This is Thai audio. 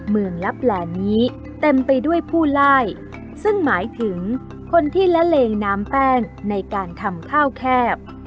ลับแหล่นี้เต็มไปด้วยผู้ไล่ซึ่งหมายถึงคนที่ละเลงน้ำแป้งในการทำข้าวแคบ